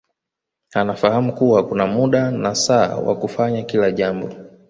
Anafahamu kuwa kuna muda na saa wa kufanya kila jambo